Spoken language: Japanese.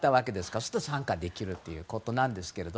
そうすると参加できるということですけど。